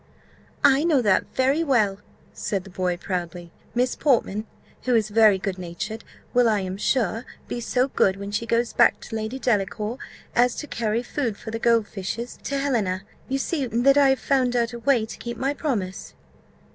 "I know that very well," said the boy, proudly: "Miss Portman, who is very good natured, will, I am sure, be so good, when she goes back to Lady Delacour, as to carry food for the gold fishes to Helena you see that I have found out a way to keep my promise."